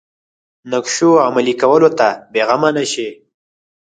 نقشو عملي کولو ته بېغمه نه شي.